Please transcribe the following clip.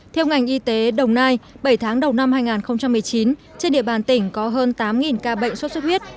theo ngành y tế đồng nai bảy tháng đầu năm hai nghìn một mươi chín trên địa bàn tỉnh có hơn tám ca bệnh sốt xuất huyết